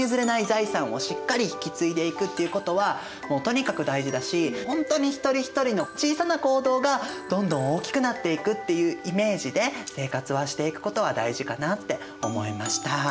財産をしっかり引き継いでいくっていうことはとにかく大事だし本当に一人一人の小さな行動がどんどん大きくなっていくっていうイメージで生活はしていくことは大事かなって思いました。